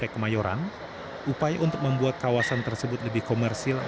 push woman datang ke dalam komik tintin sehingga sering disebut sebagai menara tintin